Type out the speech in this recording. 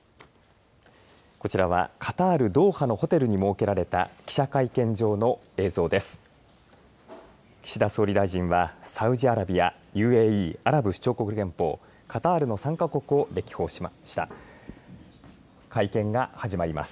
こちらは、カタール・ドーハのホテルに設けられた記者会見場の映像です。